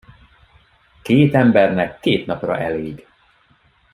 Két embernek két napra elég.